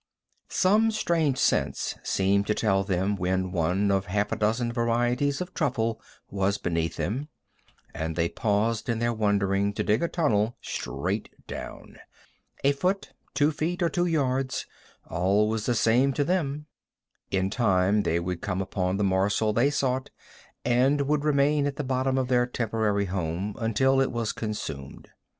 Some strange sense seemed to tell them when one of half a dozen varieties of truffle was beneath them, and they paused in their wandering to dig a tunnel straight down. A foot, two feet, or two yards, all was the same to them. In time they would come upon the morsel they sought and would remain at the bottom of their temporary home until it was consumed.